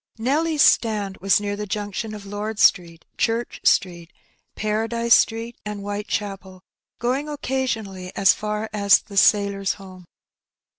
Nelly's stand was near the junction of Lord Street, Church Street, Paradise Street, and Whitechapel, going occasionally as far as the ^' Sailor's Home."